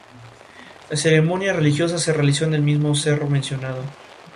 La ceremonia religiosa se realizó en el mismo cerro mencionado.